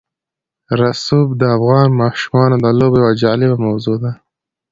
رسوب د افغان ماشومانو د لوبو یوه جالبه موضوع ده.